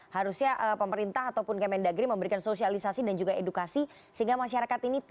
harusnya pemerintah ataupun kemendagri memberikan sosialisasi dan juga edukasi sehingga masyarakat ini